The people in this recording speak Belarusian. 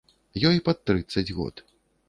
Ёй пад трыццаць год.